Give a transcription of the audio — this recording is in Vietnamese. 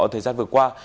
thời gian vừa qua